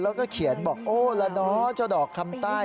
แล้วก็เขียนบอกโอ้ละเนาะเจ้าดอกคำใต้